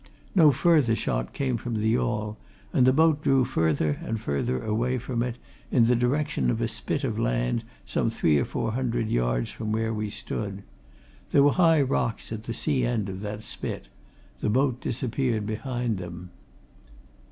No further shot came from the yawl, and the boat drew further and further away from it, in the direction of a spit of land some three or four hundred yards from where we stood. There were high rocks at the sea end of that spit the boat disappeared behind them.